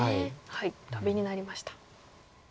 トビになりました。